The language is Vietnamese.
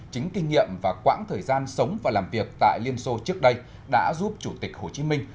chính kinh nghiệm và quãng thời gian sống và làm việc tại liên xô trước đây đã giúp chủ tịch hồ chí minh